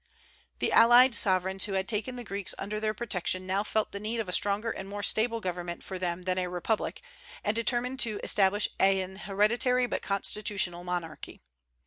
The allied sovereigns who had taken the Greeks under their protection now felt the need of a stronger and more stable government for them than a republic, and determined to establish an hereditary but constitutional monarchy.